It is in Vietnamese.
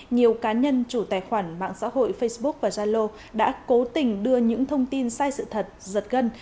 nhiều cá nhân chủ tài khoản mạng xã hội facebook và zalo đã cố tình đưa những thông tin sai sự thật giật gân